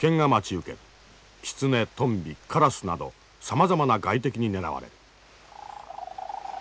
キツネトンビカラスなどさまざまな外敵に狙われる。